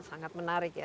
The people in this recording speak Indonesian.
ini ya sangat menarik ya